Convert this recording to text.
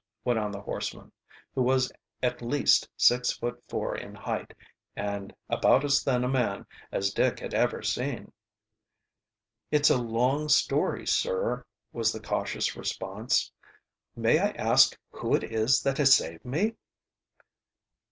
went on the horseman, who was at least six feet four in height and about as thin a man as Dick had ever seen. "It's a long story, sir," was the cautious response. "May I ask who it is that has saved me?"